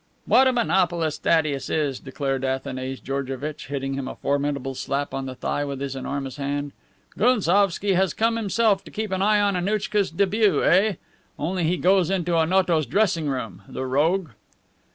"What a monopolist Thaddeus is," declared Athanase Georgevitch, hitting him a formidable slap on the thigh with his enormous hand. "Gounsovski has come himself to keep an eye on Annouchka's debut, eh? Only he goes into Onoto's dressing room, the rogue."